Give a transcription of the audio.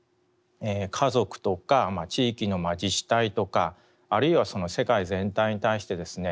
家族とか地域の自治体とかあるいは世界全体に対してですね